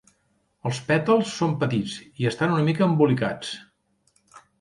Els pètals són petits i estan una mica embolicats.